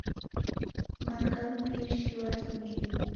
Manga mbishi wasingiye